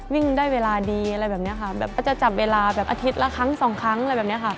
วิ่งได้เวลาดีอะไรแบบนี้ค่ะแบบก็จะจับเวลาแบบอาทิตย์ละครั้งสองครั้งอะไรแบบนี้ค่ะ